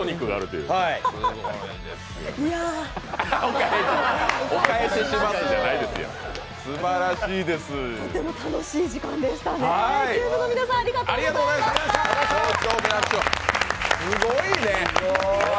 とても楽しい時間でしたね。